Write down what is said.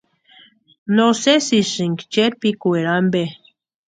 ¿No sesisïnki cherpikwaeri ampe?